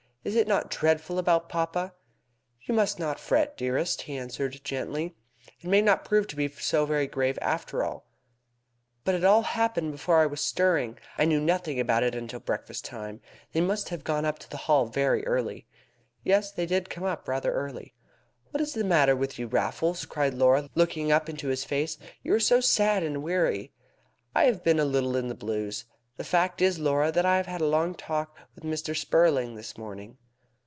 Is it not dreadful about papa?" "You must not fret, dearest," he answered gently. "It may not prove to be so very grave after all." "But it all happened before I was stirring. I knew nothing about it until breakfast time. They must have gone up to the Hall very early." "Yes, they did come up rather early." "What is the matter with you, Raffles?" cried Laura, looking up into his face. "You look so sad and weary!" "I have been a little in the blues. The fact is, Laura, that I have had a long talk with Mr. Spurling this morning."